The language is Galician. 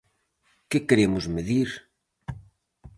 Que queremos medir?